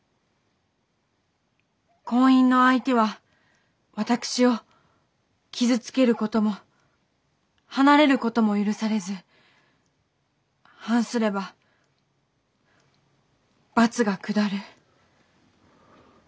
婚姻の相手は私を傷つけることも離れることも許されず反すれば罰が下る。